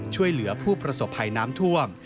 ช่วยเหลือผู้ประสบภัยน้ำท่วม